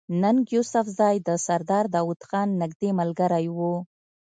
ننګ يوسفزۍ د سردار داود خان نزدې ملګری وو